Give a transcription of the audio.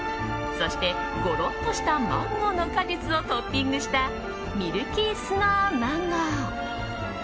そして、ゴロッとしたマンゴーの果実をトッピングしたミルキースノーマンゴー。